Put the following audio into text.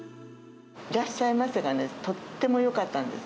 いらっしゃいませがとってもよかったんです。